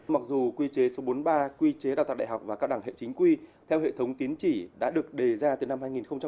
mặc dù quy chế số bốn mươi ba quy chế đào tạo đại học và các đảng hệ chính quy theo hệ thống tiến chỉ đã được đề ra từ năm hai nghìn bảy